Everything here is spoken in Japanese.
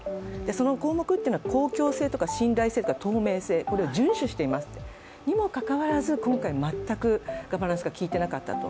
その項目というのは公共性とか信頼性とか透明性、これを順守していますとにもかかわらず今回、全くガバナンスがきいていなかったと。